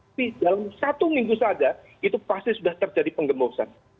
tapi dalam satu minggu saja itu pasti sudah terjadi penggembosan